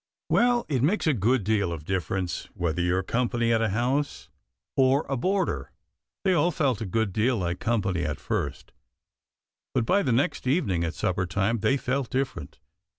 Well, it makes a good deal of difference whether you're company at a house or a boarder. They all felt a good deal like company at first, but by the next evening at supper time they felt different.